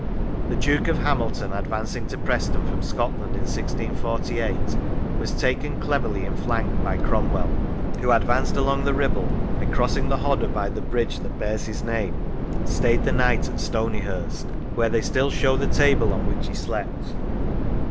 The Duke of Hamilton, advancing to Preston from Scotland in 1648, was taken cleverly in flank by Cromwell, who advanced along the Kibble, and crossing the Hodder by the bridge that bears his name, stayed the night at Stonyhurst, where they still show the table on which he slept.